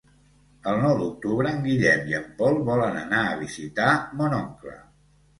El nou d'octubre en Guillem i en Pol volen anar a visitar mon oncle.